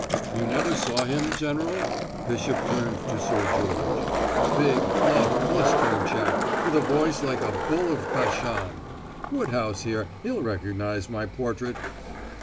"You never saw him, General." Bishop turned to Sir George. "Big, bluff, blustering chap, with a voice like the bull of Bashan. Woodhouse, here, he'll recognize my portrait."